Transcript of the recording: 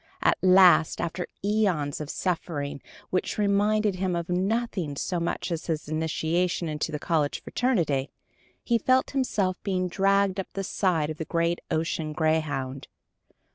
At last, after æons of suffering which reminded him of nothing so much as his initiation into the college fraternity, he felt himself being dragged up the side of the great ocean greyhound.